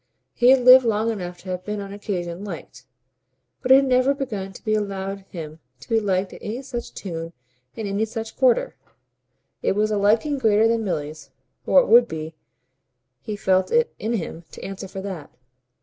He had lived long enough to have been on occasion "liked," but it had never begun to be allowed him to be liked to any such tune in any such quarter. It was a liking greater than Milly's or it would be: he felt it in him to answer for that.